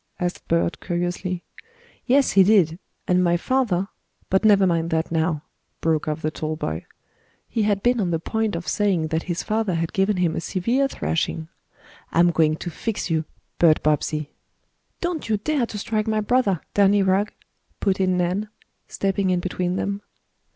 asked Bert curiously. "Yes, he did. And my father but never mind that now," broke off the tall boy. He had been on the point of saying that his father had given him a severe thrashing. "I'm going to fix you, Bert Bobbsey." "Don't you dare to strike my brother, Danny Rugg!" put in Nan, stepping in between them.